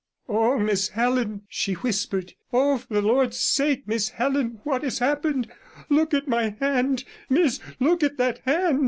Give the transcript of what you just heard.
'Oh, Miss Helen!' she whispered; 'Oh! for the Lord's sake, Miss Helen, what has happened? Look at my hand, Miss; look at that hand!'